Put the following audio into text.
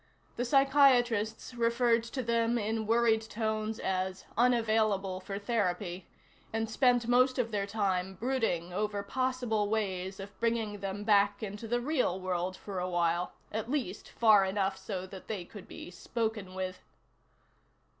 The psychiatrists referred to them in worried tones as "unavailable for therapy," and spent most of their time brooding over possible ways of bringing them back into the real world for a while, at least far enough so that they could be spoken with.